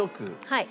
はい。